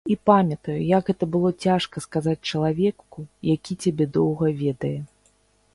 І памятаю, як гэта было цяжка сказаць чалавеку, які цябе доўга ведае.